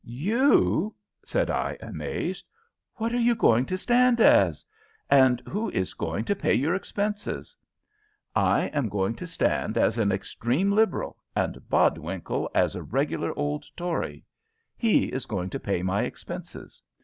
"You!" said I, amazed; "what are you going to stand as? and who is going to pay your expenses?" "I am going to stand as an extreme Liberal, and Bodwinkle as a regular old Tory. He is going to pay my expenses.